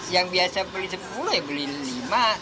yang biasa beli sepuluh ya beli lima tujuh delapan